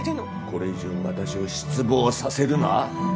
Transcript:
これ以上私を失望させるな。